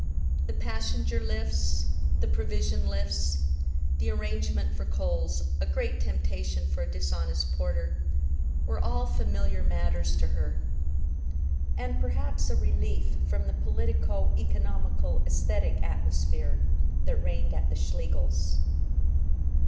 The passenger lifts, the provision lifts, the arrangement for coals (a great temptation for a dishonest porter), were all familiar matters to her, and perhaps a relief from the politico economical aesthetic atmosphere that reigned at the Schlegels'.